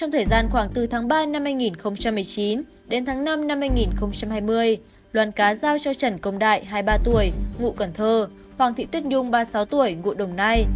trong thời gian khoảng từ tháng ba năm hai nghìn một mươi chín đến tháng năm năm hai nghìn hai mươi đoàn cá giao cho trần công đại hai mươi ba tuổi ngụ cần thơ hoàng thị tuyết nhung ba mươi sáu tuổi ngụ đồng nai